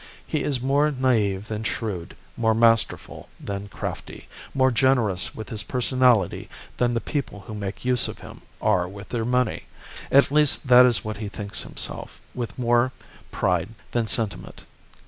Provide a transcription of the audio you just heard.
He is more naive than shrewd, more masterful than crafty, more generous with his personality than the people who make use of him are with their money. At least, that is what he thinks himself with more pride than sentiment.